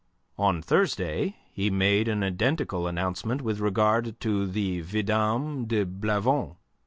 On Thursday he made an identical announcement with regard to the Vidame de Blavon.